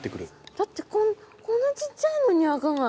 だってこんな小っちゃいのに赤貝。